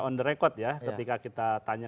on the record ya ketika kita tanya